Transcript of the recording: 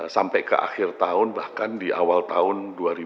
sampai ke akhir tahun bahkan di awal tahun dua ribu dua puluh